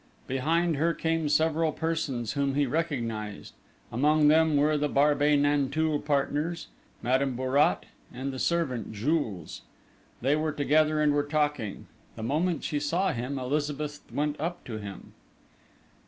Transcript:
Behind her came several persons whom he recognised: among them were the Barbey Nanteuil partners, Madame Bourrat, and the servant, Jules. They were together and were talking. The moment she saw him, Elizabeth went up to him.